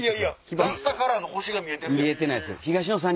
ラスタカラーの星が見えてるやん。